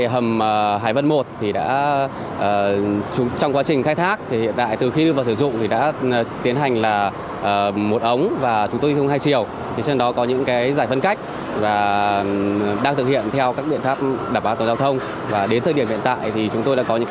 theo các biện pháp đảm bảo tổng giao thông và đến thời điểm hiện tại thì chúng tôi đã có những